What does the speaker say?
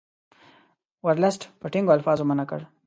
ورلسټ په ټینګو الفاظو منع کړ.